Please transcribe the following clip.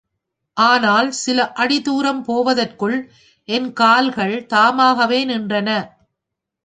ஆனால் சில அடி தூரம் போவதற்குள் என் கால்கள் தாமாகவே நின்றன.